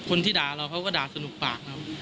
คนที่ด่าเราเขาก็ด่าสนุกปากครับ